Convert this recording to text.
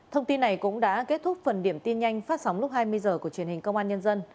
thông tin này cũng đã kết thúc phần điểm tin nhanh phát sóng lúc hai mươi h của truyền hình công an nhân dân